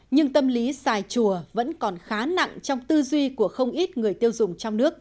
nhưng tâm lý xài chùa vẫn còn khá nặng trong tư duy của không ít người tiêu dùng